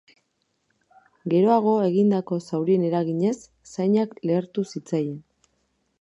Geroago, egindako zaurien eraginez, zainak lehertu zitzaien.